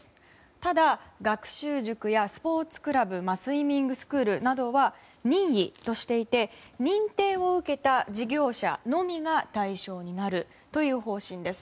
ただ、学習塾やスポーツクラブスイミングスクールなどは任意としていて認定を受けた事業者のみが対象になるという方針です。